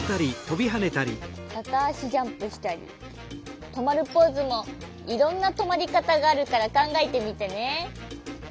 かたあしジャンプしたりとまるポーズもいろんなとまりかたがあるからかんがえてみてね。